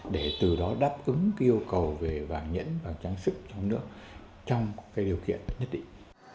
để từ đó đáp ứng cái yêu cầu về vàng nhẫn vàng trang sức trong nước trong cái điều kiện nhất định